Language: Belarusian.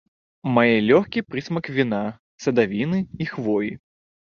Мае лёгкі прысмак віна, садавіны і хвоі.